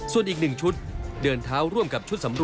ส่วนอีก๑ชุดเดินเท้าร่วมกับชุดสำรวจ